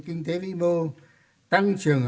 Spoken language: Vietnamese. kinh tế vĩ mô tăng trưởng